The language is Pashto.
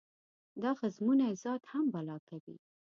دا ښځمونی ذات هم بلا کوي.